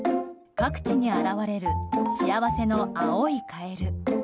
各地に現れる幸せの青いカエル。